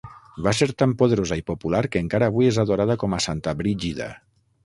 Va ser tan poderosa i popular que encara avui és adorada com a santa Brígida.